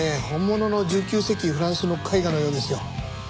本物の１９世紀フランスの絵画のようですよ。